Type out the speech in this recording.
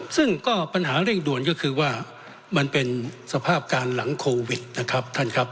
ซึ่งก็ปัญหาเร่งด่วนก็คือว่ามันเป็นสภาพการณ์หลังโควิดนะครับท่านครับ